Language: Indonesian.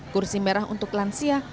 kursi merah untuk lansia